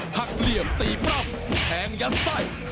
หักเหลี่ยมตีปร่ำแพงยัดไส้